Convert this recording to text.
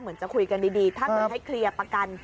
เหมือนจะคุยกันดีถ้าเกิดให้เคลียร์ประกัน